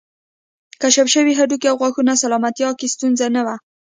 کشف شوي هډوکي او غاښونه سلامتیا کې ستونزه نه وه